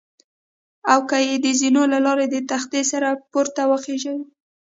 او که مې د زینو له لارې د تختې سره پورته وخېژوي.